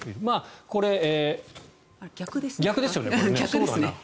これ、逆ですね。